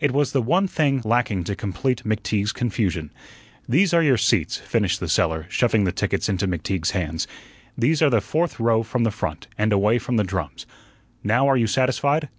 It was the one thing lacking to complete McTeague's confusion. "There are your seats," finished the seller, shoving the tickets into McTeague's hands. "They are the fourth row from the front, and away from the drums. Now are you satisfied?"